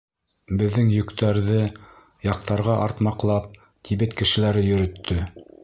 Беҙҙең йөктәрҙе, яктарға артмаҡлап, Тибет кешеләре йөрөттө.